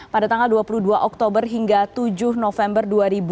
pada tanggal dua puluh dua oktober hingga tujuh november dua ribu dua puluh